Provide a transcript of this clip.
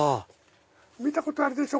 見たことあるでしょ